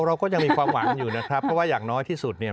เราก็ยังมีความหวังอยู่นะครับเพราะว่าอย่างน้อยที่สุดเนี่ย